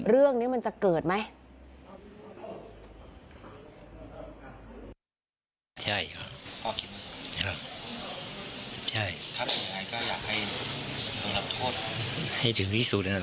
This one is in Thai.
เรื่องนี้มันจะเกิดไหม